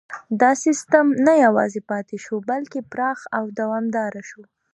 دا سیستم نه یوازې پاتې شو بلکې پراخ او دوامداره شو.